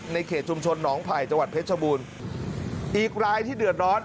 เขตชุมชนหนองไผ่จังหวัดเพชรชบูรณ์อีกรายที่เดือดร้อน